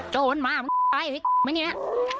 โจรมาไปไหมเนี้ย